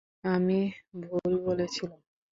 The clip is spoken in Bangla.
আমি ভুল বলেছিলাম।